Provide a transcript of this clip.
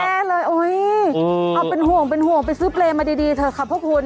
แน่เลยเอาเป็นห่วงเป็นห่วงไปซื้อเปรย์มาดีเถอะค่ะพวกคุณ